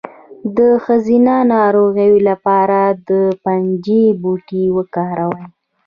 د ښځینه ناروغیو لپاره د پنجې بوټی وکاروئ